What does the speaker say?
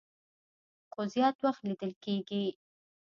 خو زيات وخت ليدل کيږي